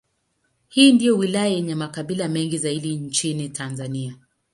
Hii ndiyo wilaya yenye makabila mengi zaidi nchini Tanzania.